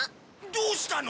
どうしたの？